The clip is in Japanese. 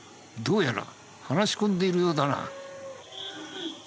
どうやら話し込んでいるようだな。